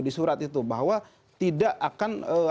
di surat itu bahwa tidak akan